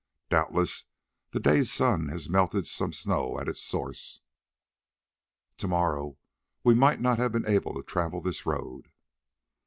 "Doubtless this day's sun has melted some snow at its source. To morrow we might not have been able to travel this road."